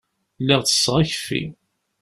Lliɣ tesseɣ akeffi.